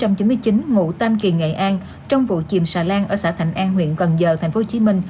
ngụ tam kỳ nghệ an trong vụ chìm xà lan ở xã thành an huyện cần giờ tp hcm